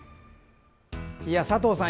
佐藤さん